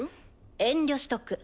遠慮しとく。